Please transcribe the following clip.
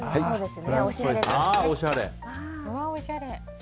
おしゃれ。